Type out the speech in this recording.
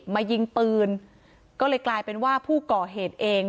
มายิงปืนก็เลยกลายเป็นว่าผู้ก่อเหตุเอง